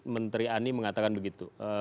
menteri ani mengatakan begitu